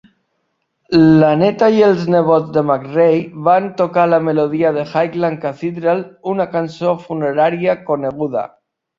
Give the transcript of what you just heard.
La neta i els nebots de McRae van tocar la melodia de Highland Cathedral, una cançó funerària coneguda.